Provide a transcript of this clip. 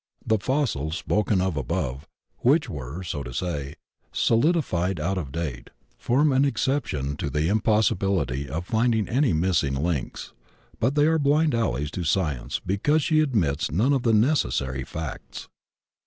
The fossils spoken of above, which were, so to say, solidified out of date, form an exception to the impossibility of finding any missing links, but they are blind alleys to Science because she admits none of the necessary facts.